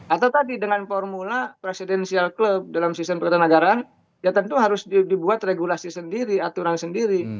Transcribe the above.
atau tadi dengan formula presidential club dalam sistem pertahanan negara ya tentu harus dibuat regulasi sendiri aturan sendiri